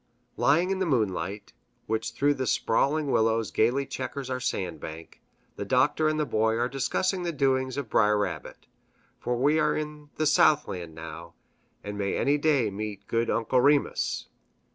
Lying in the moonlight, which through the sprawling willows gayly checkers our sand bank, the Doctor and the Boy are discussing the doings of Br'er Rabbit for we are in the Southland now, and may any day meet good Uncle Remus.